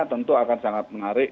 tentu akan sangat menarik